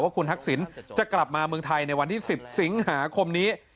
คุณทักษิณจะกลับมาเมืองไทยในวันที่๑๐สิงหาคมนี้